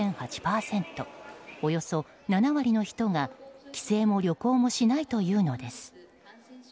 およそ７割の人が帰省も旅行もしないというのです。